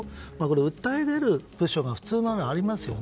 訴え出る部署が普通ならありますよね。